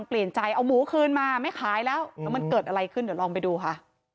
เปลี่ยนใจเอาหมูคืนมาไม่ขายแล้วแล้วมันเกิดอะไรขึ้นเดี๋ยวลองไปดูค่ะ